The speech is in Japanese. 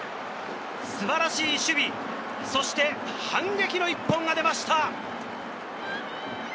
素晴らしい守備、そして反撃の一本が出ました。